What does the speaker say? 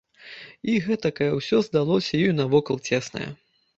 І гэтакае ўсё здалося ёй навокал цеснае!